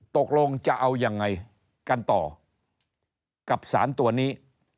ตกลงจะเอายังไงกันต่อกับสารตัวนี้